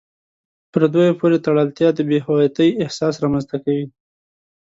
پردیو پورې تړلتیا د بې هویتۍ احساس رامنځته کوي.